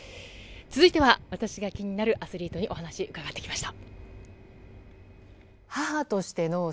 続いては私が気になるアスリートにお話を伺ってきました。